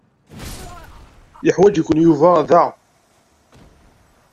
Yeḥwaǧ-iken Yuba da.